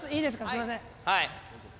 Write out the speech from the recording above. すいません。